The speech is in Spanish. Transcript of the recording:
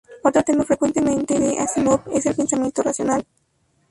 Otro tema frecuente de Asimov es el pensamiento racional.